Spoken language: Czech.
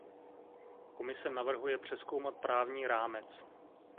Komise navrhuje přezkoumat právní rámec.